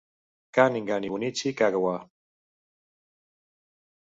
Cunningham i Bunichi Kagawa.